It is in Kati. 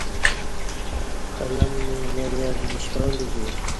قلم می د در نِشالی بی